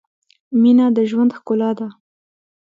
• مینه د ژوند ښکلا ده.